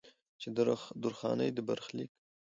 چې د درخانۍ د برخليک